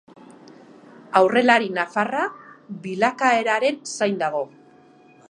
Aurrelari nafarra bilakaeraren zain dago.